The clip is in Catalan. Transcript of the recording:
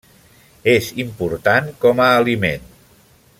És important com a aliment.